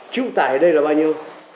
chịu tải ở đây là bao nhiêu